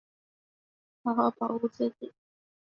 好好保护自己